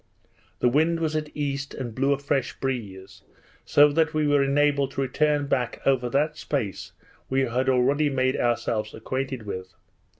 The wind was at east, and blew a fresh breeze, so that we were enabled to return back over that space we had already made ourselves acquainted with.